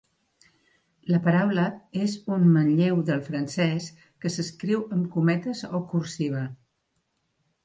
La paraula és un manlleu del francès que s'escriu amb cometes o cursiva.